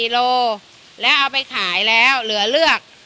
โลแล้วเอาไปขายแล้วเหลือเลือก